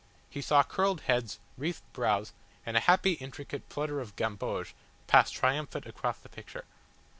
He saw curled heads, wreathed brows, and a happy intricate flutter of gamboge pass triumphant across the picture.